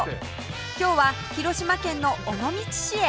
今日は広島県の尾道市へ